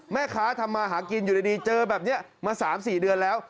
ทำมาหากินอยู่ดีเจอแบบนี้มา๓๔เดือนแล้ว